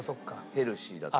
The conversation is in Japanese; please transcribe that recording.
ヘルシーだと。